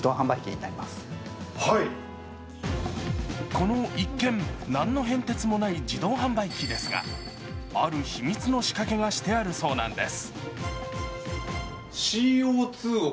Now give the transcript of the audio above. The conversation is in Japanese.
この一見、何の変哲もない自動販売機ですがある秘密の仕掛けがしてあるそうなんです。